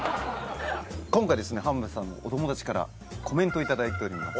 今回浜辺さんのお友達からコメントを頂いております。